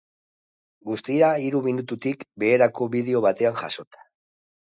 Guztia, hiru minututik beherako bideo batean jasota.